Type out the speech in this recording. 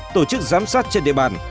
tổ chức giám sát trên địa bàn